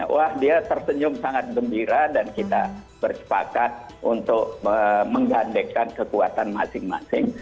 wah dia tersenyum sangat gembira dan kita bersepakat untuk menggandekan kekuatan masing masing